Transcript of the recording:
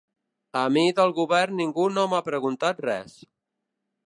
A mi del govern ningú no m’ha preguntat res.